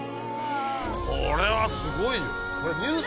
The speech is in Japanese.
これはすごいよ。